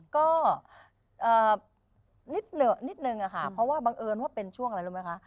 ก็นิดนึงค่ะเพราะว่าบังเอิญว่าเป็นช่วงอะไรรู้ไหมคะ